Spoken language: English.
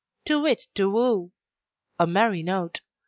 To whit, Tu whoo! A merry note!